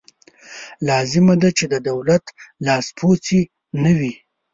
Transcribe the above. لازمه ده چې د دولت لاسپوڅې نه وي.